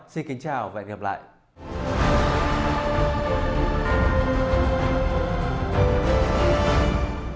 xin kính chào và hẹn gặp lại